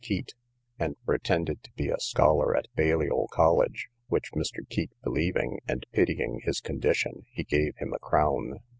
Keat, and pretended to be a scholar of Baliol College, which Mr. Keat believing, and pitying his condition, he gave him a crown.